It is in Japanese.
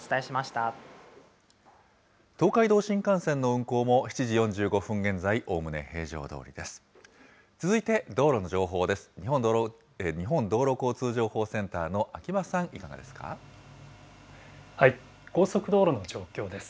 東海道新幹線の運行も、７時４５分現在、おおむね平常どおりです。